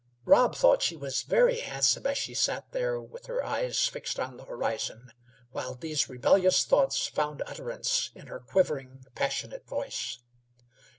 Rob thought she was very handsome as she sat there with her eyes fixed on the horizon, while these rebellious thoughts found utterance in her quivering, passionate voice.